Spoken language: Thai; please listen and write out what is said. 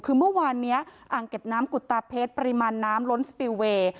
คือเมื่อวานนี้อ่างเก็บน้ำกุตาเพชรปริมาณน้ำล้นสปิลเวย์